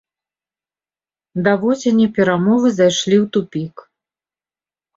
Да восені перамовы зайшлі ў тупік.